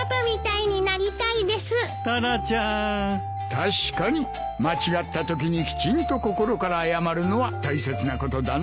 確かに間違ったときにきちんと心から謝るのは大切なことだな。